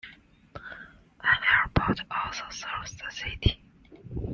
An airport also serves the city.